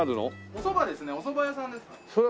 お蕎麦ですねお蕎麦屋さんですから。